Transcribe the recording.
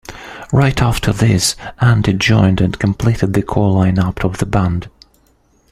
Right after this Andy joined and completed the core lineup of the band.